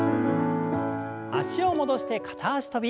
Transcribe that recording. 脚を戻して片脚跳び。